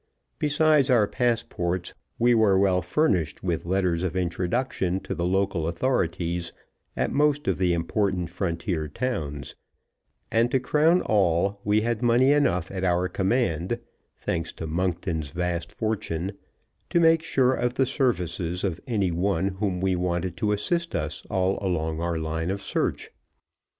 Besides our passports, we were well furnished with letters of introduction to the local authorities at most of the important frontier towns, and, to crown all, we had money enough at our command (thanks to Monkton's vast fortune) to make sure of the services of any one whom we wanted to assist us all along our line of search.